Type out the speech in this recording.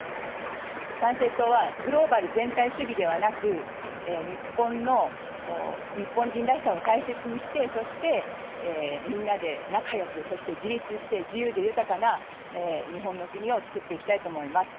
参政党は、グローバル全体主義ではなく、日本の日本人らしさを大切にして、そして、みんなで仲良く、そして自立して、自由で豊かな日本の国をつくっていきたいと思います。